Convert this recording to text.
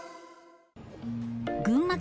群馬県